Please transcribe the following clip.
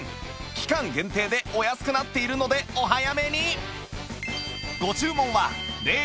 期間限定でお安くなっているのでお早めに！